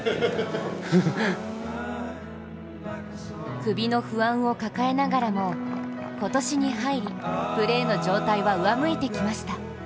首の不安を抱えながらも今年に入りプレーの状態は上向いてきました。